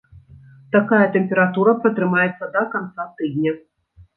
Такая тэмпература пратрымаецца да канца тыдня.